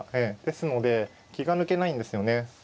ですので気が抜けないんですよね。